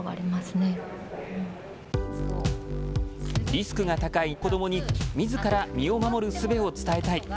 リスクが高い子どもにみずから身を守るすべを伝えたい。